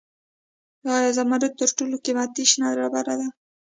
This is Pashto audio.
آیا زمرد تر ټولو قیمتي شنه ډبره ده؟